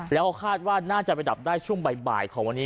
แล้วคาดว่าน่าจะไปดับได้ช่วงบ่ายของวันนี้